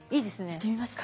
いってみますか？